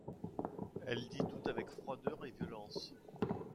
Elle dit tout avec froideur et violence.